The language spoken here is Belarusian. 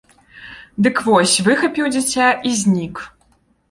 Дык вось, выхапіў дзіця і знік.